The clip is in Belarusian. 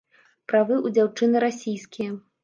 Правы ў дзяўчыны расійскія.